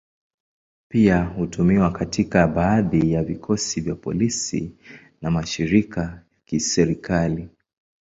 Pia hutumiwa katika baadhi ya vikosi vya polisi na mashirika ya kiserikali.